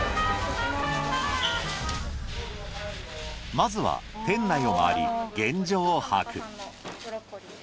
まずは店内を周り現状を把握。